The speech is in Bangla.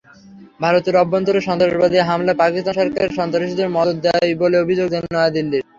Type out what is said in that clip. ভারতের অভ্যন্তরে সন্ত্রাসবাদী হামলায় পাকিস্তান সরকার সন্ত্রাসীদের মদদ দেয় বলে অভিযোগ নয়াদিল্লির।